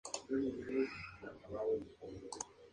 Probablemente carecían de pico, teniendo dientes en sus mandíbulas.